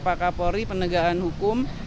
pak kapolri penegahan hukum